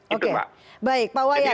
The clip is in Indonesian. oke baik pak wayan